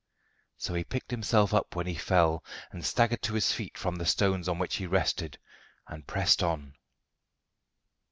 So he picked himself up when he fell, and staggered to his feet from the stones on which he rested, and pressed on.